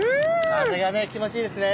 風がね気持ちいいですね。